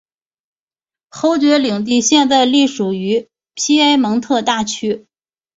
侯爵领地现在隶属于皮埃蒙特大区。